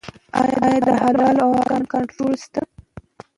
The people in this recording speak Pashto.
آیا د حلال او حرام کنټرول شته؟